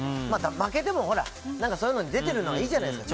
負けてもそういうのに出てるのがいいじゃないですか。